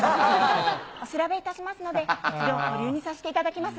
お調べいたしますので、一度保留にさせていただきます。